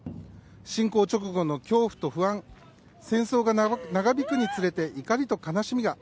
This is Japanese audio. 侵攻直後の恐怖と不安戦争が長引くにつれて怒りと悲しみが。